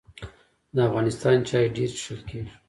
د افغانستان چای ډیر څښل کیږي